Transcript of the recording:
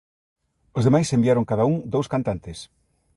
Os demais enviaron cada un dous cantantes.